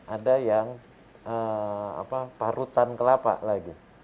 ada yang parutan kelapa lagi